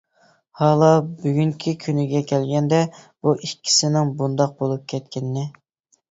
ھالا بۈگۈنكى كۈنگە كەلگەندە، بۇ ئىككىسىنىڭ بۇنداق بولۇپ كەتكىنىنى.